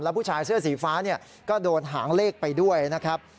ผู้ชายเสื้อสีฟ้าก็โดนหางเลขไปด้วยนะครับ